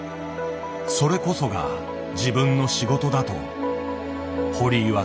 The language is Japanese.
それこそが自分の仕事だと堀井は考える。